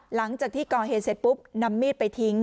หลังจากที่ก่อเหตุเสร็จปุ๊บนำมีดไปทิ้ง